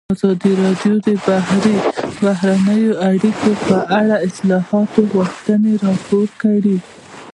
ازادي راډیو د بهرنۍ اړیکې په اړه د اصلاحاتو غوښتنې راپور کړې.